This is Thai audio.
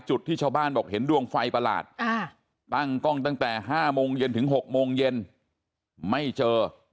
ที่ชาวบ้านบอกเห็นดวงไฟประหลาดตั้งกล้องตั้งแต่๕โมงเย็นถึง๖โมงเย็นไม่เจอ